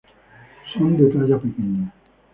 Son de talla pequeña.